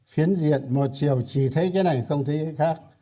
phiến diện một chiều chỉ thấy cái này không thấy cái khác